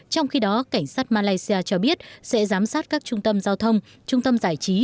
trong khi đó cảnh sát malaysia cho biết sẽ giám sát các trung tâm giao thông trung tâm giải trí